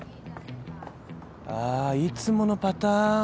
あいつものパターン。